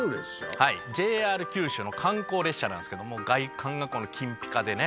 ＪＲ九州の観光列車なんですけども外観が金ぴかでね。